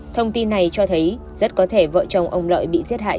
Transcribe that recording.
thông tin này cho thấy rất có thể vợ chồng ông lợi bị giết hại